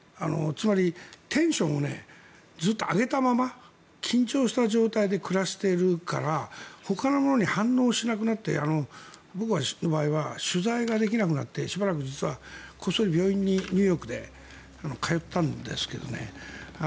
つまりテンションをずっと上げたまま緊張した状態で暮らしているからほかのものに反応しなくなって僕の場合は取材ができなくなってしばらく実は、こっそり病院にニューヨークで通ったんですけどね。